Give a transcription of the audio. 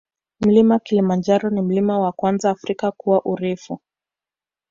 Mlima kilimanjaro ni mlima wa kwanza afrika kwa urefu